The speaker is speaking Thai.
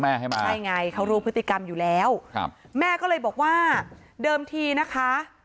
ให้มาใช่ไงเขารู้พฤติกรรมอยู่แล้วครับแม่ก็เลยบอกว่าเดิมทีนะคะ